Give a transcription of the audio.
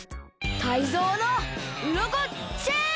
タイゾウのウロコチェーン！